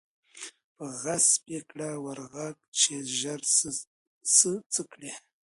په غضب یې کړه ور ږغ چي ژر سه څه کړې